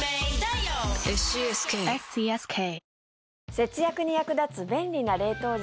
節約に役立つ便利な冷凍術。